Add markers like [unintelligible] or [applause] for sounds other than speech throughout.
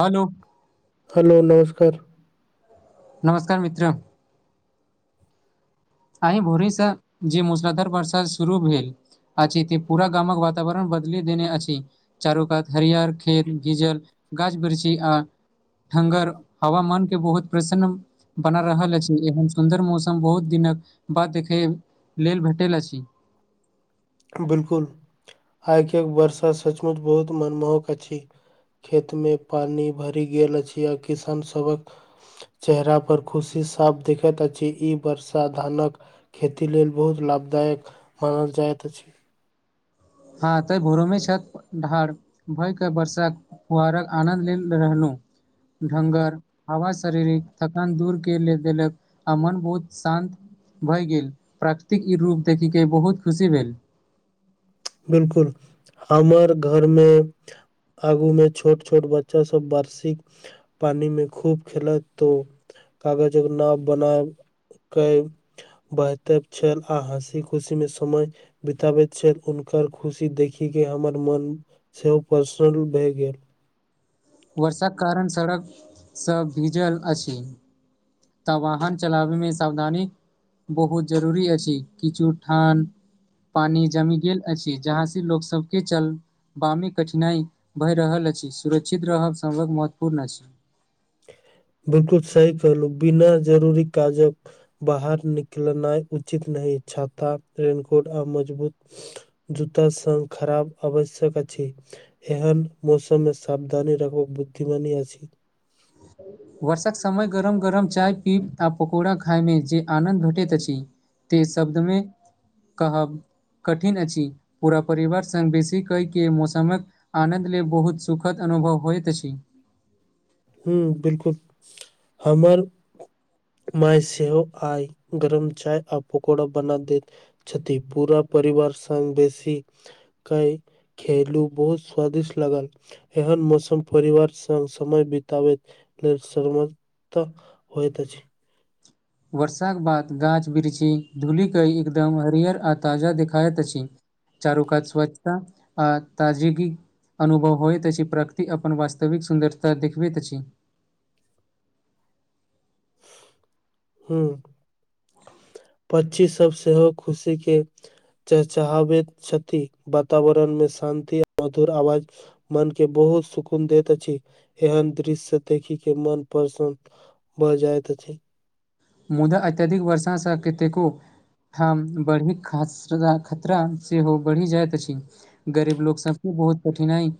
Hello hello नमस्कार नमस्कार मित्र आइ भोरेसँ जे मुसलाधर प्रसाद शुरू भेल अछि त पूरा गामक वातावरण बदल देने अछि चारु कात हरियर खेत भीजल गाछ बिरछी आ हंगर हवामान के बहुत प्रसन्न बना रहल अछि एहन सुन्दर मौसम बहुत दिनक बाद देखय लेल भेटल अछि बिलकुल आइके एक वर्षा सचमुच बहुत मनमोहक अछि खेत मे पानि भरि गेल अछि आ किसान सबक चेहरा पर खुशी साफ देखति अछि ई वर्षा धानक खेती लेल बहुत लाभदायक मानल जाइत अछि हां तऽ भोरोमे छथि ढार भय क वर्षा फुहारक आनन्द ले रहनू घनगर हवा शारीरिक थकान दूर के ले देलक आ मन बहुत शान्त भय गेल प्राकृतिक ई रूप देखय के बहुत खुशी भेल बिलकुल हमर घर मे आगू मे छोट छोट बच्चा सब वार्षिक पानी मे खूब खेलत तो कागजक नाप बना [unintelligible] बहतब छल आ हँसी खुशी मे समय बिताबति छथिन कर खुशी देखी के हमर मन सेहो प्रसन्न भय गेल वर्षाक कारण सड़क सब भीजल अछि तऽ वाहन चलाबे मे सावधानी बहुत ज़रूरी अछि किछु ठान पानि जमी गेल अछि जहाँ से [unintelligible] वामी कठिनाइ भए रहल अछि सुरक्षित रहब समक महत्वपूर्ण अछि बिल्कूल सही कहलहु बिना जरूरी काजक बाहर निकलनाई उचित नहि छाता रेन कोट आ मजबूत जूता सँ खराब आवश्यक आ छै एहन मौसु मे सावधानी राखब बुद्धिमानी आ छी वर्षक समय गरम गरम चाय पीब आ पकौड़ा खाइमे जे आनन्द भेटैत अछि। ते शब्द मे कहब कठिन अछि पूरा परिवार सँ बेसी कहै कि मौसममे आनन्द लेलऽ बहुत सुखद अनुभव होयत छी। हू बिल्कूल हमर माय सेहो आई गरम चाय आ पकोड़ा बना देत छथि पूरा परिवार सँ बेसी कइ खलु बहुत स्वादिष्ट लागल एहन मौसम परिवार सँ समय ताब सम होत छै। वर्षा कऽ बाद गाछ बिरछ धूलिकई एकदम हरिहर आ ताजा देख खायत अछि चारू कात स्वच्छता आ ताजी कि अनुभव होइत अछि प्रकृति अपन वास्तविक सुन्दरता देखबैत अछि। हू पक्षी सभ सेहो खुशी के चचाहावे क्षति वातावरण मे शान्ति मधुर आवाज मन के बहुत सुकून दैत अछि एहन दृश्य देखिक के मन प्रसन। भऽ जाइत छै। मुदा अत्यधिक वर्षासँ कतेको हमठ बढ़ी खतरा सेहो बढ़ि जाइत अछि गरीब लोकोग सभके बहुत कठिना हइ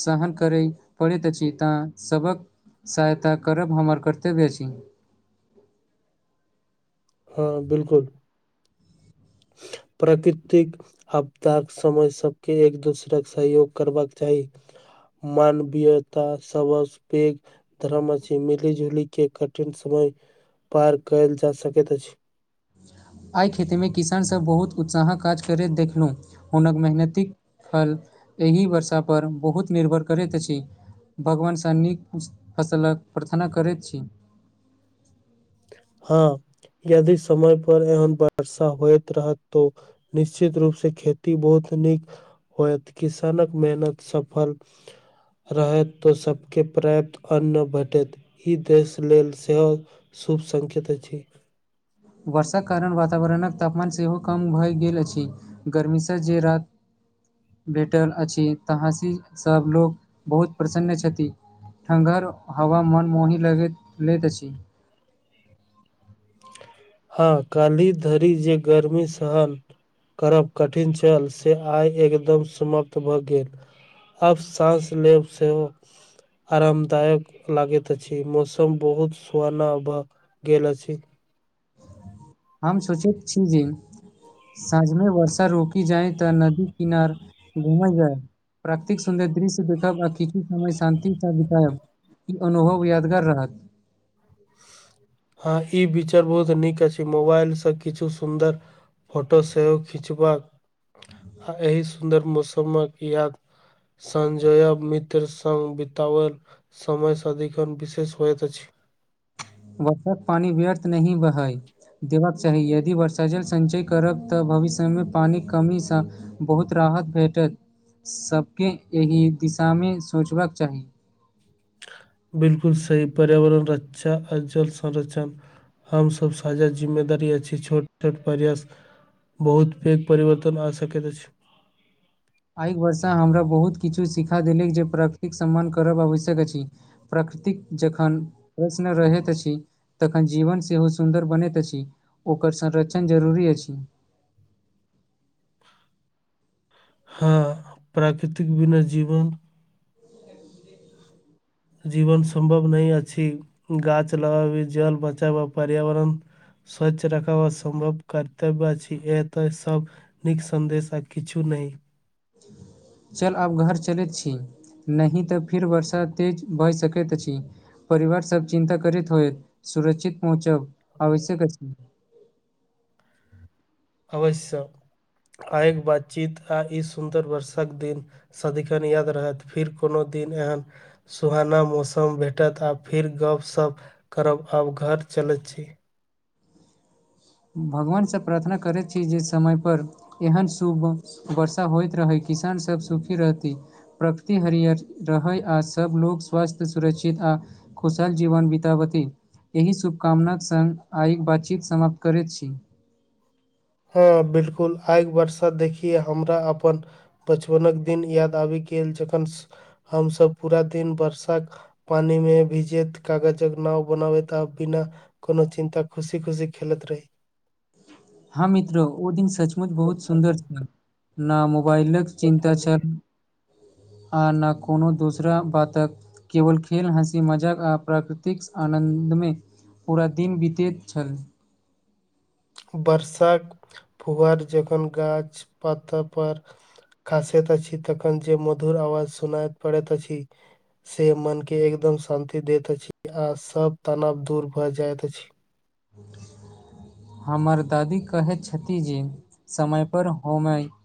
सहन करै पड़ैत अछि तऽ सभ के सहायता करब हमर कर्तव्य अछि। हँ बिल्कूल [inaudible] प्राकृतिक। आप्ताक समय सभके एक दोसरा के सहयोग करबाक चाही। मानवीयता सभसँ पेघ धर्म अछि मिली जुली के कठिन समय पार कयल जा सकैत अछि। एहिइ खेती मे किसानसभ बहुत उत्साहक काज करैत देखलहुँ हुनक मेहनतीक फल एहि वर्षा पर बहुत निर्भर करैत अछि भगवानसँ नीक फसलकऽ प्रार्थना करैत छी ह यदि समय पर एहन वर्षा होइत रहत तो निश्चित रूप सँ खेती बहुत नीक। होयत किसानकऽ मेहनत सफल रहैत तो सभके पर्याप्त अन भेटत ई देश लेलऽ सेहो खुब सकेत अछि वर्षा कऽ कारण वातावरणकऽ तापमान सेहो कम भऽ गेल अछि गर्मीस जे रात भेटल अछि तहसी सभ लोकोग बहुत प्रसन्न छथि ठहर हवा मनमोहि लगैत लैत अछि हँ काली धरि जे गर्मी सहन। करब कठिन छल से आइ एकदम समप्त भऽ गेल आब साँस लेब सेहो अरामदायक लागैत अछि मौसम बहुत सुहाना बऽ गेल अछि हम सोचैत छी जे साँझमे वर्षा रोकी जाए तऽ नदी किनार घुमै जाय प्राकतिक सुन्दर्य दृश्य देखब आखी समय शान्ति सा बिताएब ई अनुभव यादगार रहत हॉं ई विचर बहुत नीक अछि मोबाइलसँ किछु सुन्दर फोटो सेहो खिचबाक आ एहि सुन्दर मौसम मे कि हएत संजय मित्र संग बितावल समय सादीखन विशेष होयत अछि। वर्षक पानी व्यर्थ नही बहई देबाक चाही यदि वर्षा जल सञ्चय करब तऽ भविष्यमे पानिक कमीसँ बहुत राहत भेटत सबके एहि दिशा मे सोचबाक चाही बिल्कुल सही पर्यावरण रक्षा आ जल संरक्षण हमसब साजा जिम्मेदारी अछि छोट छोट प्रयास बहुत पैघ परिवर्तन आ सकैत अछि आइ वर्षा हमरा बहुत किछु सिखा देलक जे प्रकृतिक सम्मान करब आवश्यक अछि। प्रकृतिक जखन प्रश्न रहैत अछि तखन जीवन सेहो सुन्दर बनैत अछि ओकर संरक्षण जरूरी अछि हँ प्राकृतिक बिना जीवन जीवन सम्भव नै अछी गाछ लगाबी जल बचाबै पर्यावरण स्वच्छ रख सम्भव करर्तव्य अछी ए तऽ सब नीक सन्देश आ किछु नई चल आब घर चलैत छी नहि तऽ फिर वरषा तेज भयऽ सकैत अछि परिवार सब चिन्ता करैत होएब सुरक्षित पहुँचब आवश्यक अछि अवश्य आयग बातचीत आ ई सुन्दर वर्षाक दिन सदिखन याद रहथि फेर कोनो दिन एहन सुहाना मौसम भेटत आ फेर गपशप करब आब घर चलैत छी भगवानसँ प्रार्थना करैत छी जे समयपर एहन शुभ वर्षा होइत रहै किसान सब सूखी रहती प्रकृति हरियर रहै आ सब लोग स्वस्थ सुरक्षित आ खुशहाल जीवन बीताबथि एहि शुभकामना संग आइ बातचीत समाप्त करैत छी हँ बिल्कुल आयग वरषा देखियै हमरा अपन बचपनक दिन याद आबि गेल जखन हमसब पूरा दिन वर्षाक पानि मे भीजेत कागजक नाव बनाबे ता बिना कोनो चिन्ता खुशी खुशी खेलैत रही हँ मित्रो ओ दिन सचमुच बहुत सुन्दर छल ना मोबाइलक चिन्ता छल हँ ना कोनो दूसरा बातक केवल खेल हँसी मजाक आ प्राकृतिक आनन्दमे पूरा दिन बीतेत छल वर्षाक फुआर जखन गाछ पत्ता पर खासैत अछि तखन जे मधुर आवाज सुनायत पड़ैत अछि से मन के एकदम शांनति देत अछि आ सब तनाव दूर भ जाइत अछि ब [inaudible] हमर दादी कहैत छथि जे समय पर हम आइब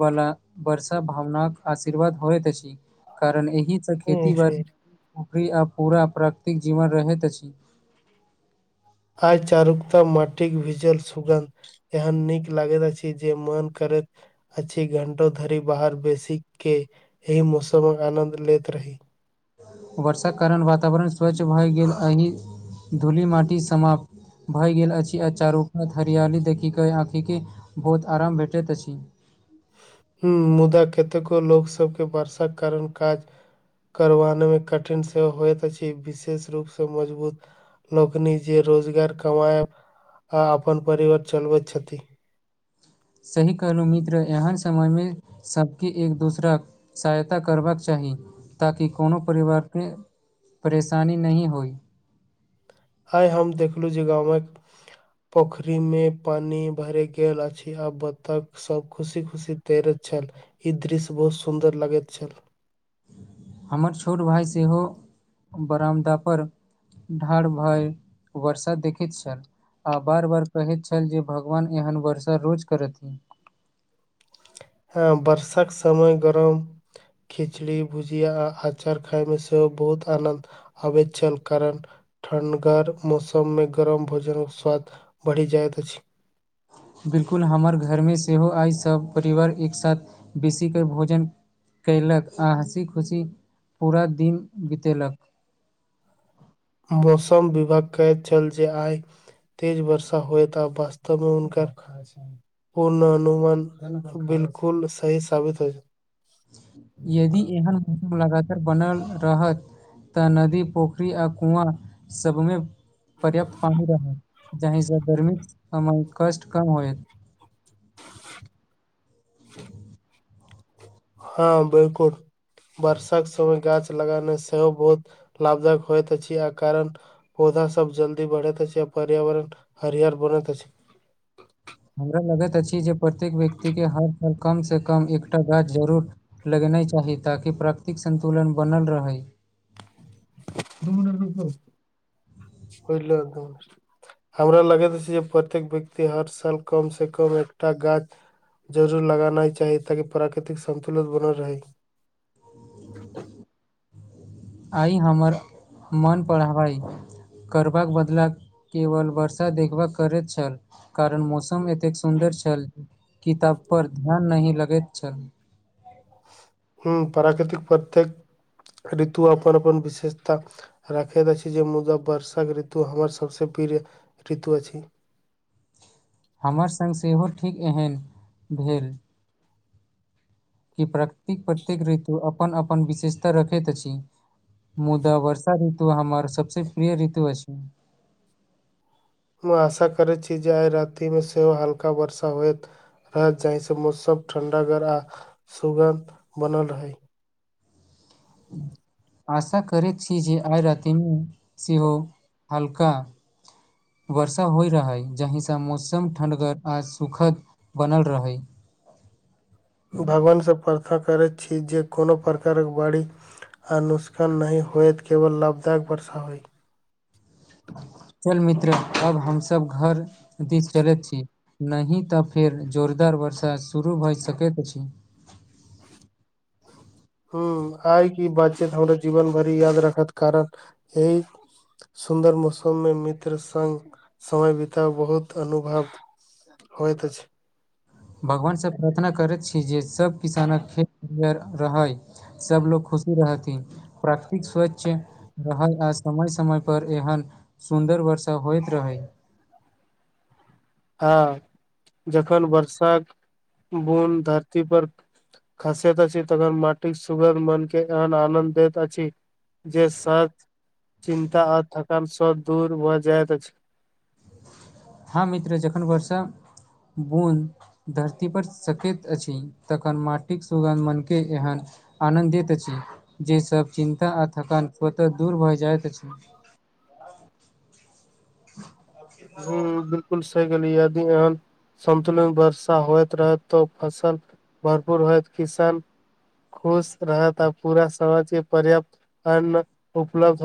बला वरसा भावनााक आशीर्वाद होयत अछि कारण एहि से खेती हम्म, से बड़ी उरी आ पूरा प्राकृतिक जीवन रहैत अछि आ चारुकताा मटिक भजल सुगन्ध एहन नीक लागैत अछि जे मन करैत अची घंटो धरि बाहर बेसी के एहि मौसमक आनंद लेैत रही वर्षाक कारण वातावरण स्वच्छ भऽ गेल एहि धूली माटि समाप्त भए गेल अछि आ चारूपात हरियाली देखिक आँखिके बहुत आराम भेटैत अछि ह मुदा कतेको लोकसभके वर्षाक कारण काज करबानेमे कठिन सेहो होइत अछि विशेष रूपसँ मजबूत लोकनी जे रोजगार कमाय आ आपन परिवार चलबैत छथिन सही कहलहु मित्र एहन समयमे सबके एक दोसराके सहायता करबाक चाही ताकि कोनो परिवारसे परेशानी नहि होइ। आइ हम देखलहुँ जे गामक। पोखरी मे पानी भरे गेल अछि आ बतक सब खुशी खुशी तैरैत छल ई दृश्य बहुत सुंदर लगैत छल हमर छोट भाय सेहो बरामदापर ढार भय वर्षा देखैत छल आ बार बार कहैत छल जे भगवान एहन वर्षा रोज करैथ हँ बरषाक समय गरम। खिचड़ी भुजिया आ अचार खायमे सेहो बहुत आनन्द। अबैत छलल करल ठण्गार मौसममे गरम भोजन स्वाद बढ़ि जाइत अछि। बिलकुल हमर घरमे सेहो आइ सभ परिवार एक साथ बेसीके भोजन। कयलक आ हँसी खुशी पूरा दिन बितेलक। मौसम विभाग कहैत छल जे आइ। तेज वर्षा होए त आब वास्तव मे हुनका ख। पूर्ण हनुमान बिलकुल सही साबित होइ छैय यदि एहन। लगातार बनल रहत तऽ नदी पोखरी आ कुआँ सबमे। पर्याप्त पानी रह जाहिस गर्मीित समय कष्ट कम होएत। ह हँ बिलकुलम। वर्षाक समय गाछ लगाना सेहो बहुत लाभदायक होइत अछि आ कारण। पौधा सब जल्दी बढ़ैत अछि आऔर पर्यावरण हरिियर बनैत अछि। हमरा लगैत अछि जे प्रत्येक व्यक्तिके हर साल कम से कम एकटा गाछ जरूर। लगेनाइ चाही ताकि प्राकृतिक संन्तुलन बनल रहै। [inaudible] [unintelligible] हमरा लगैत अछि जे प्रत्येक व्यक्ति हर साल कम से कम एकटा गाछ। जरूर लगाना चाही ताकि प्राकृतिक संतुलित बनल रहैत आइ हमर मोन पढ़बै। करबाक बदला केवल वर्षा देखभ करैत छल। कारण मौसम एतेक सुन्दर छल किताब पर ध्यान नही लगैत छल। ह प्राकृतिक प्रत्येक [inaudible] ऋतु अपन अपन विशेषता। रखैत अछि जे मुदा वर्षाक ऋतु हमर सभ से प्रिय ऋतु अछि। हमर संग सेहो ठीक एहन भेल। कि प्राकृति प्रत्येक ऋतु अपन अपन विशेषता रखैत अछि। मुदा वर्षा ऋतु हमर सब से प्रिय ऋतु अछि छै। हम आशा करैत छी जे आइ राति में सेहो हल्का वर्षा होयत। रह जहहि से मौसम ठण्डागर आ सुगन्ध बनल रहै। आशा करे छी जे आइ रति में सिहो। हल्का वर्षा होइ रहै जहिसँ मौसम ठण्डगर आ सुखद बनल रहै। भगवान स प्रार्थ करै छी जे कोनो प्रकारक बाड़ी। आनुष्कान नै होयत केवल लाभदायक वर्षा होइ। चल मित्र अब हम सभ घर दिस चलैत छी। नहीं तऽ फेर जोरदार वर्षा शुरू भए सकैत अछी हु आइ की बातचत हमरा जीवन भरि याद रखत कारण एहि। सुन्दर मौसम में मित्र संग समय बितउ बहुत अनुभव होत अछी भगवान से प्रार्थना करैत छी जे सब किसानक खेत [unintelligible] रहै सब लोक खुशी रहथिन प्राकृतिक स्वच्छ रहला समय समय पर एहन सुन्दर वर्षा होइत रहै। आ जखन वर्षाक बून धरती पर। खसैत अछि छी तगर माटी सुगध मन केँ आनन्द दैत अछि। जे सच चिन्ता आ थकान सब दूर भऽ जायइत अछि। हँ मित्र जखन वर्षा [inaudible] बुन। धरती पर सकैत अछि तखन माटिक सुगध मने एहन। आनन्दित अछि जे सब चिन्ता आ थकान स्वतः दूर भए जाइत अछि [unintelligible] हु बिल्कुल सही कहलि यादी एहैन संतुलित वर्षा होइत रहैत तऽ फसल भरपूर होयत किसान खुश रहत पूरा समाज केँ पर्यावरण उपलब्ध हो